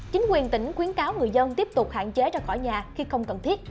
chính quyền tỉnh khuyến cáo người dân tiếp tục hạn chế ra khỏi nhà khi không cần thiết